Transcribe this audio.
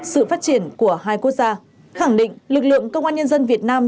sự phát triển của hai quốc gia khẳng định lực lượng công an nhân dân việt nam